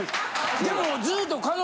でもずっと。